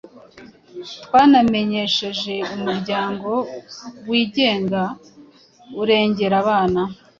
twanamenyesheje umuryango wigenga urengera abana